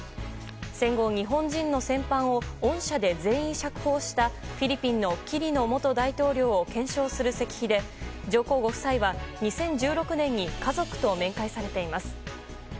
戦後、日本人の戦犯を恩赦で全員釈放したフィリピンのキリノ元大統領を顕彰する石碑で上皇ご夫妻は２０１６年に家族と面会されています。